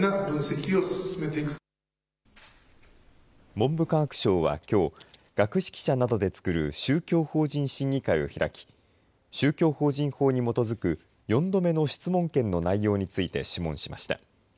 文部科学省はきょう学識者などでつくる宗教法人審議会を開き宗教法人法に基づく４度目の質問権の内容について諮問しました。